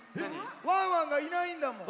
ワンワンがいないんだもん。